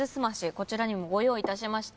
こちらにもご用意いたしました。